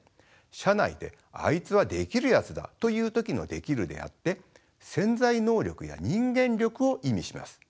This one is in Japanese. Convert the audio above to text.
社内で「あいつはできるやつだ」というときの「できる」であって潜在能力や人間力を意味します。